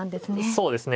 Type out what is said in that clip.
そうですね。